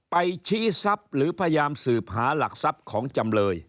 ชี้ทรัพย์หรือพยายามสืบหาหลักทรัพย์ของจำเลย